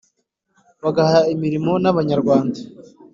bagaha imirimo n’abanyarwanda